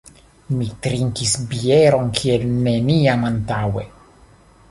Mi trinkis bieron kiel neniam antaŭe.